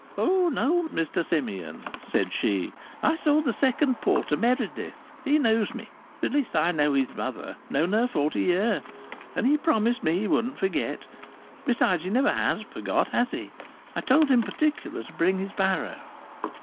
"Oh no, Mr Simeon," said she; "I saw the second porter, Merrith. He knows me. At least, I know his mother known her forty year and he promised me he wouldn't forget. Besides, he never has forgot, has he? I told him particular to bring his barrow."